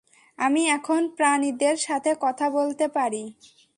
আমি এখন প্রাণীদের সাথে কথা বলতে পারি।